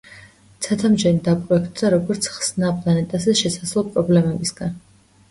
ცათამბჯენი დაპროექტდა როგორც ხსნა პლანეტაზე შესაძლო პრობლემებისგან.